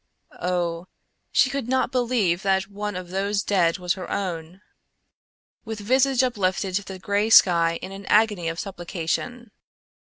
Oh! She could not believe that one of those dead was her own! with visage uplifted to the gray sky in an agony of supplication.